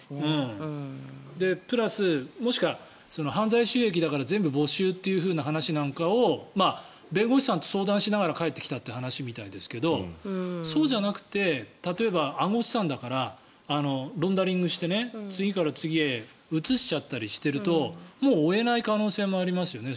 プラスもしくは犯罪収益だから全部没収という話なんかを弁護士さんと相談しながら帰ってきたという話みたいですがそうじゃなくて例えば暗号資産だからロンダリングして、次から次へ移しちゃったりしているともう追えない可能性もありますよね